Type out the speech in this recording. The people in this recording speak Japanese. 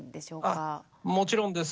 あもちろんです。